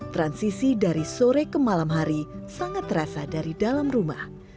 transisi dari sore ke malam hari sangat terasa dari dalam rumah